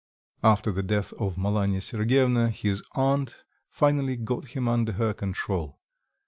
After the death of Malanya Sergyevna, his aunt finally got him under her control.